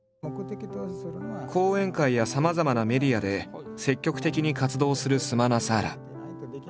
講演会やさまざまなメディアで積極的に活動するスマナサーラ。